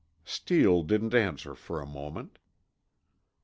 Steele didn't answer for a moment.